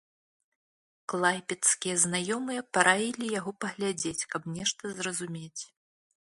Клайпедскія знаёмыя параілі яго паглядзець, каб нешта зразумець.